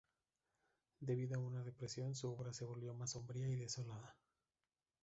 Debido a una depresión, su obra se volvió más sombría y desolada.